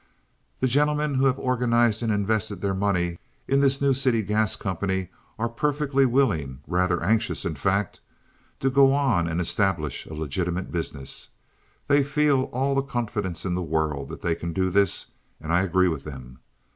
The gentlemen who have organized and invested their money in this new city gas company are perfectly willing—rather anxious, in fact—to go on and establish a legitimate business. They feel all the confidence in the world that they can do this, and I agree with them.